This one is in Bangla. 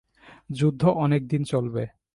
যুদ্ধ অনেকদিন চলবে।